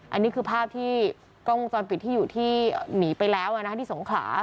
อันนี้คือภาพที่กล้องวงจรปิดที่อยู่ที่หนีไปแล้วที่สงขลา